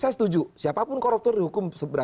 saya setuju siapapun koruptor dihukum